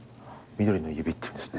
緑の指っていうんですね。